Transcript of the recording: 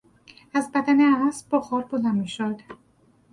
از بدن اسب بخار بلند میشد.